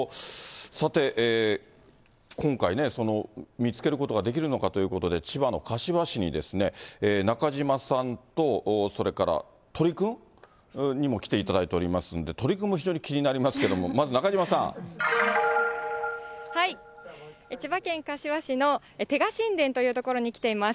さて、今回ね、その、見つけることができるのかということで、、千葉の柏市に、中島さんと、それから鳥くん？にも来ていただいておりますけど、鳥くんも非常に気になりますけども、まず、中島さん。千葉県柏市の手賀新田という所に来ています。